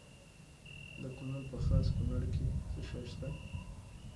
د کونړ په خاص کونړ کې څه شی شته؟